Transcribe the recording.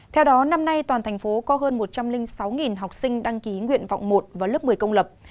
theo đó năm nay toàn thành phố có hơn một trăm linh sáu học sinh đăng ký nguyện vọng một vào lớp một mươi công lập